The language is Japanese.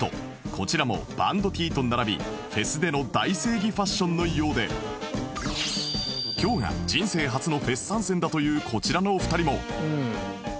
こちらもバンド Ｔ と並びフェスでの大正義ファッションのようで今日が人生初のフェス参戦だというこちらのお二人も